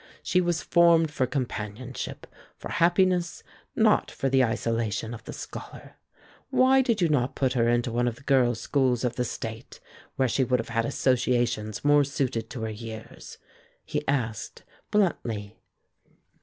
She was formed for companionship, for happiness, not for the isolation of the scholar. Why did you not put her into one of the girls' schools of the State, where she would have had associations more suited to her years?" he asked, bluntly.